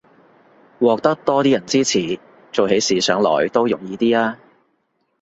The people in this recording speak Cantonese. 獲得多啲人支持，做起事上來都容易啲吖